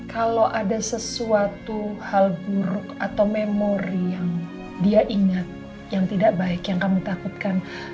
kalau ada sesuatu hal buruk atau memori yang dia ingat yang tidak baik yang kami takutkan